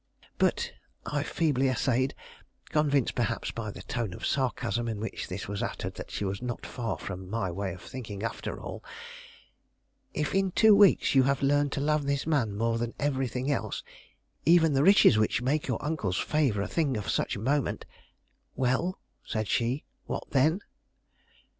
"But," I feebly essayed, convinced perhaps by the tone of sarcasm in which this was uttered that she was not far from my way of thinking after all, "if in two weeks you have learned to love this man more than everything else, even the riches which make your uncle's favor a thing of such moment " "Well," said she, "what then?"